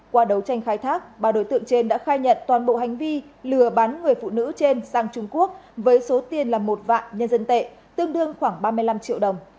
qua đấu tranh khai thác ba đối tượng trên đã khai nhận toàn bộ hành vi lừa bắn người phụ nữ trên sang trung quốc với số tiền là một vạn nhân dân tệ tương đương khoảng ba mươi năm triệu đồng